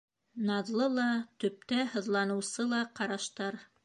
Наҙлы ла, төптә һыҙланыусы ла ҡараштар.